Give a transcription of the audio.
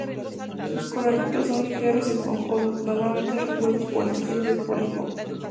Sus coralitos son ligeros y esponjosos, normalmente recubiertos por el tejido del pólipo.